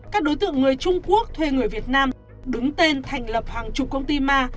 các đối tượng người trung quốc thuê người việt nam đứng tên thành lập hàng chục công ty ma